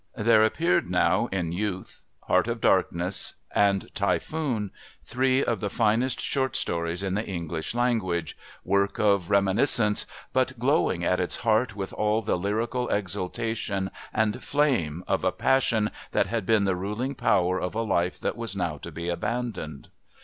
There appeared now in Youth, Heart of Darkness and Typhoon three of the finest short stories in the English language, work of reminiscence, but glowing at its heart with all the lyrical exultation and flame of a passion that had been the ruling power of a life that was now to be abandoned.